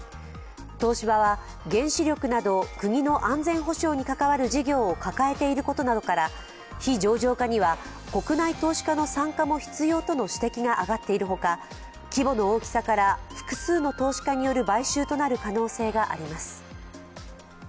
東芝は原子力など国の安全保障に関わる事業を抱えていることなどから、非上場化には国内投資家の参加も必要との指摘が挙がっているほか、規模の大きさから複数の投資家による買収となる可能性があります。